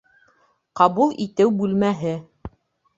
Ҡабул итеү бүлмәһе